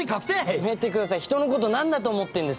やめてください人のこと何だと思ってんですか？